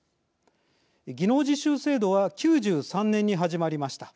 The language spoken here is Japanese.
技能実習制度は９３年に始まりました。